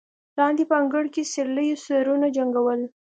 لاندې په انګړ کې سېرليو سرونه جنګول.